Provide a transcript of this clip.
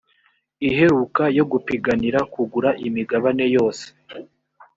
iheruka yo gupiganira kugura imigabane yose